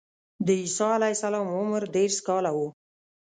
د عیسی علیه السلام عمر دېرش کاله و.